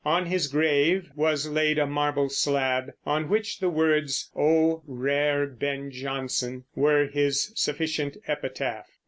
On his grave was laid a marble slab, on which the words "O rare Ben Jonson" were his sufficient epitaph.